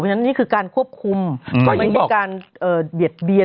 เพราะฉะนั้นนี่คือการควบคุมก็ไม่มีการเบียดเบียน